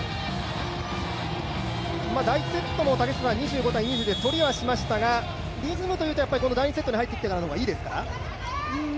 第１セットも２５対２０で取りはしましたがリズムというと第２セットに入ってきてからの方がいいですか？